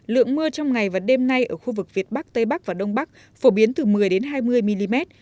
lượng mưa trong ngày và đêm nay ở khu vực việt bắc tây bắc và đông bắc phổ biến từ một mươi hai mươi mm